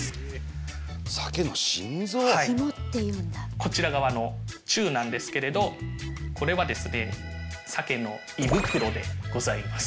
こちら側のチュウなんですけれどこれはですねサケの胃袋でございます。